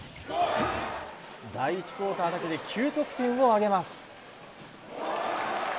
第１クオーターだけで９得点をあげます。